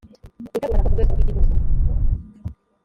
gutegura raporo ku rwego rw igihugu